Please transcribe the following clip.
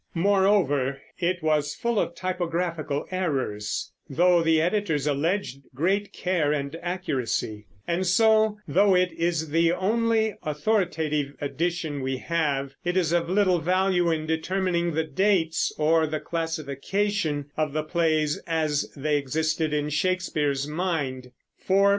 Moreover, it was full of typographical errors, though the editors alleged great care and accuracy; and so, though it is the only authoritative edition we have, it is of little value in determining the dates, or the classification of the plays as they existed in Shakespeare's mind.